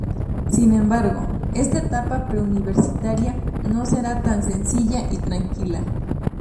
Sin embargo, esta etapa pre universitaria no será tan sencilla y tranquila.